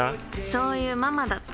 そういうママだって。